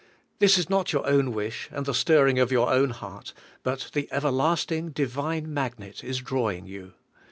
This is not your own wish, and the stirring of your own heart, but the everlasting Divine magnet is drawing you.